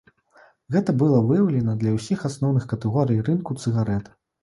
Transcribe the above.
Гэта было выяўлена для ўсіх асноўных катэгорый рынку цыгарэт.